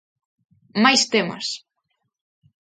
Máis temas...